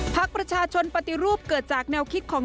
ประชาชนปฏิรูปเกิดจากแนวคิดของ